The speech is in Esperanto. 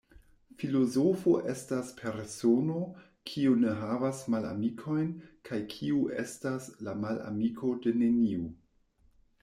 Filozofo estas persono, kiu ne havas malamikojn kaj kiu estas la malamiko de neniu.